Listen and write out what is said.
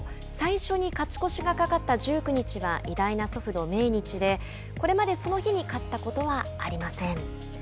最初に勝ち越しがかかった１９日は偉大な祖父の命日でこれまでその日に勝ったことはありません。